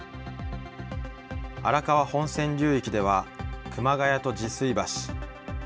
荒川本線流域では熊谷と治水橋。